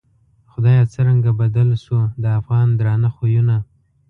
خدایه څرنگه بدل شوو، د افغان درانه خویونه